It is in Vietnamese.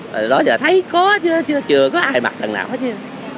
đó là cái gì mà thấy có chưa chưa có ai mặc lần nào hết chứ